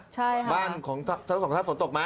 ใช่ค่ะบ้านของทั้งสองท่านฝนตกมา